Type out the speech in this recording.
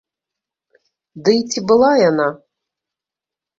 Дый ці была яна?